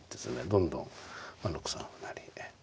どんどんまあ６三歩成。